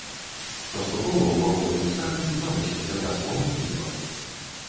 Паступова ўваходы ў старыцу заносяцца пяском і ілам.